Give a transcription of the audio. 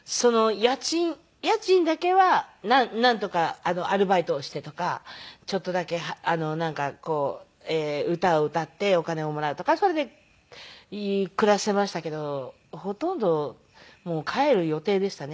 家賃だけはなんとかアルバイトをしてとかちょっとだけなんかこう歌を歌ってお金をもらうとかそれで暮らせましたけどほとんどもう帰る予定でしたね。